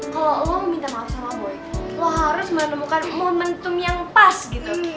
kalo lo mau minta maaf sama boy lo harus menemukan momentum yang pas gitu